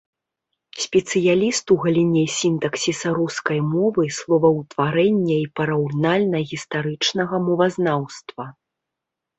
Спецыяліст у галіне сінтаксіса рускай мовы, словаўтварэння і параўнальна-гістарычнага мовазнаўства.